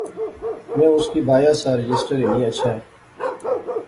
میں اُُس کی بایا سا رجسٹر ہنی اچھے